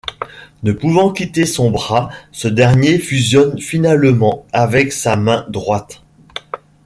Ne pouvant quitter son bras, ce dernier fusionne finalement avec sa main droite.